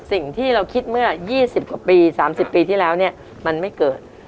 สิ่งที่เราคิดเมื่อ๒๐กว่าปี๓๐ปีที่แล้วเนี่ยมันไม่เกิด